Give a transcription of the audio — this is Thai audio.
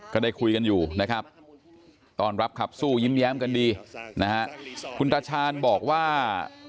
ก็ได้คุยกันอยู่นะครับต้อนรับขับสู้ยิ้มแย้มกันดีนะฮะคุณตาชาญบอกว่า